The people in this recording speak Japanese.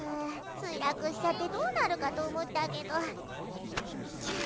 墜落しちゃってどうなるかと思ったけどうん